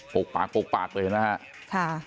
โปรกปากเลยนะฮะ